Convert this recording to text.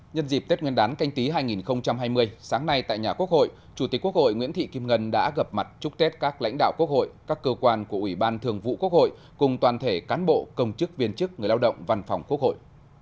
nhân dịp tết nguyên đán canh tí hai nghìn hai mươi sáng nay tại nhà quốc hội chủ tịch quốc hội nguyễn thị kim ngân đã gặp mặt chúc tết các lãnh đạo quốc hội các cơ quan của ủy ban thường vụ quốc hội cùng toàn thể cán bộ công chức viên chức người lao động văn phòng quốc hội